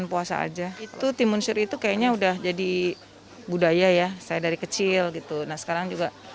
puasa aja itu timun suri itu kayaknya udah jadi budaya ya saya dari kecil gitu nah sekarang juga